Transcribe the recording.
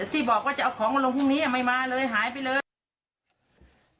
ที่บอกว่าจะเอาของมาลงพรุ่งนี้ไม่มาเลยหายไปเลย